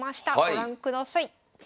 ご覧ください。